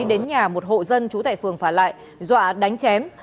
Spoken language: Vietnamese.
đến nhà một hộ dân chú tại phường phản lại dọa đánh chém